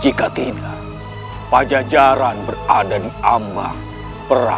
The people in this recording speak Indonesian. jika tidak pejajaran berada di amang perak saudara